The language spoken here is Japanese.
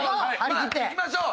いきましょう。